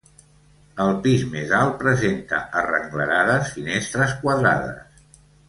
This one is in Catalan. El pis més alt presenta arrenglerades finestres quadrades.